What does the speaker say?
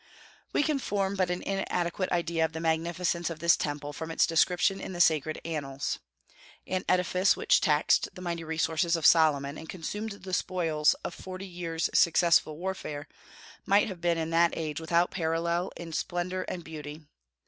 We can form but an inadequate idea of the magnificence of this Temple from its description in the sacred annals. An edifice which taxed the mighty resources of Solomon and consumed the spoils of forty years' successful warfare, must have been in that age without a parallel in splendor and beauty.